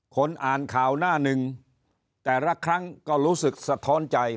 คนอ่านข่าวหน้าหนึ่งแต่ละครั้งก็รู้สึกสะท้อนใจ